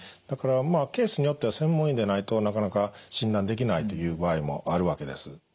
だからまあケースによっては専門医でないとなかなか診断できないという場合もあるわけです。